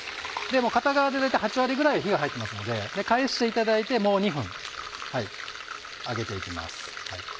もう片側で大体８割ぐらい火が入ってますので返していただいてもう２分揚げていきます。